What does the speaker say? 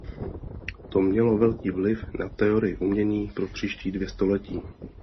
To mělo velký vliv na teorii umění pro příští dvě století.